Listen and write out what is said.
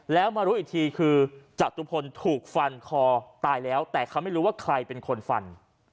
แล้วมารู้อีกทีคือจตุพลถูกฟันคอตายแล้วแต่เขาไม่รู้ว่าใครเป็นคนฟัน